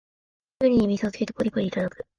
キュウリにみそをつけてポリポリいただく